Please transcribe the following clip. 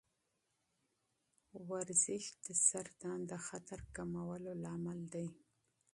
ورزش د سرطان د خطر کمولو سبب دی.